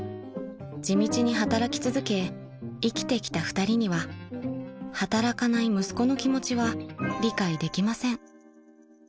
［地道に働き続け生きてきた２人には働かない息子の気持ちは理解できません］